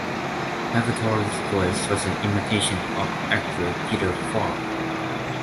Avatar's voice was an imitation of actor Peter Falk.